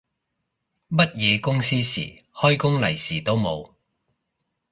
乜嘢公司事，開工利是都冇